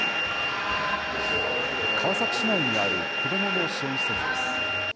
川崎市内にある子どもの支援施設です。